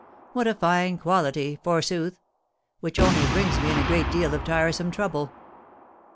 What a fine quality, forsooth! which only brings me in a great deal of tiresome trouble."